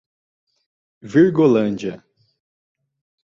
Virgolândia